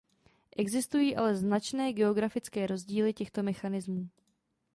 Existují ale značné geografické rozdíly těchto mechanismů.